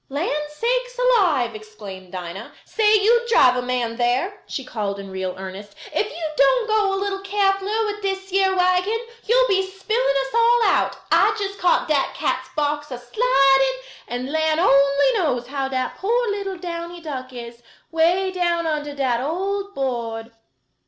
"Land sakes alive!" exclaimed Dinah. "Say, you driver man there!" she called in real earnest, "ef you doan go a little carefuler wit dis yere wagon you'll be spilling us all out. I just caught dat cat's box a sliding, and lan' only knows how dat poor little Downy duck is, way down under dat old board."